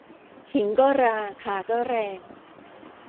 ขิงก็ราข่าก็แรง